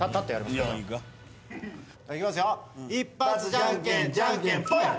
じゃんけんじゃんけんぽん！